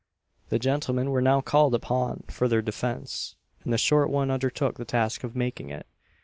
The gentlemen were now called upon for their defence, and the short one undertook the task of making it.